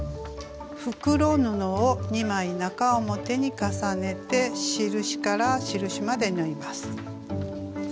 袋布を２枚中表に重ねて印から印まで縫います。